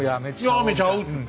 やめちゃおうって。